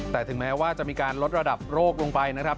แต่ถึงแม้ว่าจะมีการลดระดับโลกลงไปนะครับ